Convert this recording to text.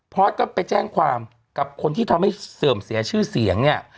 พอสก็ไปแจ้งความกับคนที่ทำให้เสื่อมเสียชื่อเสียงเนี่ย